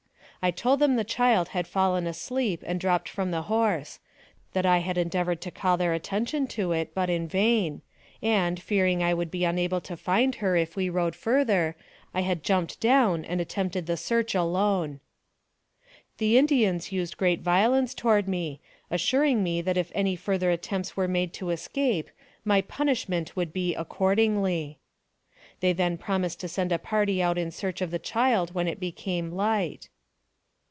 I told them the child had fallen asleep and dropped from the horse; that I had endeavored to call their attention to it, but in vain; and, fearing I would be unable to find her if we rode further, I had jumped down and attempted the search alone. The Indians used great violence toward me, assur ing me that if any further attempts were made to escape, ray punishment would be accordingly. They then promised to send a party out in search of the child when it became light.